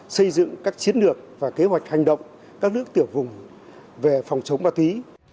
xây dựng các chiến lược và kế hoạch hành động các nước tiểu vùng về phòng chống ma túy